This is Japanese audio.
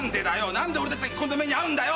何で俺たちがこんな目に遭うんだよ！